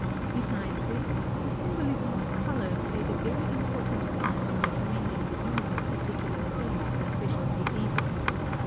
Besides this, the symbolism of color played a very important part in recommending the use of particular stones for special diseases.